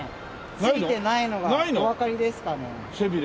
ついてないのがおわかりですかね？